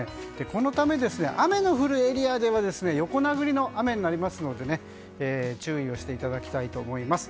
このため雨の降るエリアでは横殴りの雨になるので注意をしていただきたいと思います。